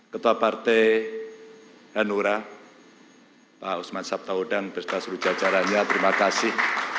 ketua partai hanura pak usman sabtaudang bersasuruh jajarannya terima kasih